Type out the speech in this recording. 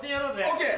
ＯＫ。